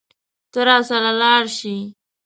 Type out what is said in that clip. ته راسره لاړ شې.